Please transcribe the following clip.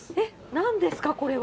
なんですか、これは。